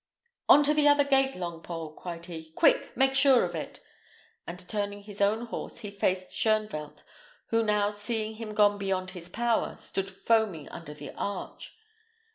"On to the other gate, Longpole!" cried he. "Quick! Make sure of it;" and turning his own horse, he faced Shoenvelt, who now seeing him gone beyond his power, stood foaming under the arch.